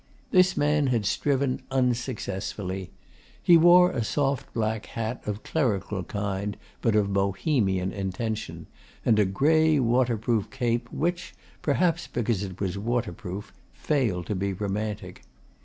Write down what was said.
This man had striven unsuccessfully. He wore a soft black hat of clerical kind but of Bohemian intention, and a grey waterproof cape which, perhaps because it was waterproof, failed to be romantic.